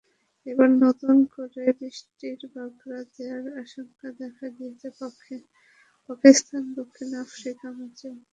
এবার নতুন করে বৃষ্টির বাগড়া দেওয়ার আশঙ্কা দেখা দিয়েছে পাকিস্তান-দক্ষিণ আফ্রিকা ম্যাচেও।